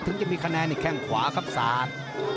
ถึงจะมีคะแนนในแข้งขวาครับศาล